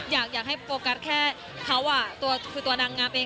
อยากให้โฟกัสแค่เขาคือตัวนางงามเอง